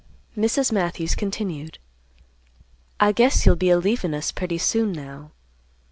Mrs. Matthews continued, "I guess you'll be a leavin' us pretty soon, now.